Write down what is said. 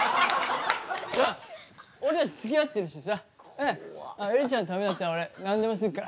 俺たちつきあってるしさエリちゃんのためだったら俺何でもするから。